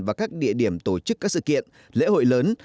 và các địa điểm tổ chức các sự kiện lễ hội lớn